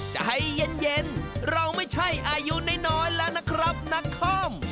ใจเย็นเราไม่ใช่อายุน้อยแล้วนะครับนักคอม